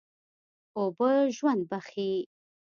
اوبه ژوند بښي.